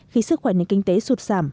khi sức khỏe nền kinh tế sụt giảm